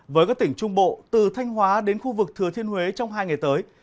với các tỉnh trung bộ từ thanh hóa đến khu vực thừa thiên huế trong hai ngày tới